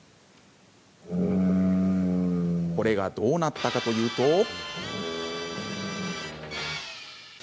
これが、どうなったかというと。